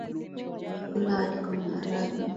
Amekula wali kwa maharagwe .